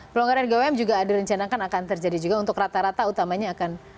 pelonggaran di gwm juga ada rencana kan akan terjadi juga untuk rata rata utamanya akan